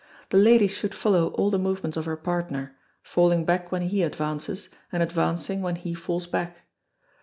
The lady should follow all the movements of her partner, falling back when he advances, and advancing when he falls back.